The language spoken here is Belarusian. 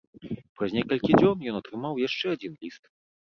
Праз некалькі дзён ён атрымаў яшчэ адзін ліст.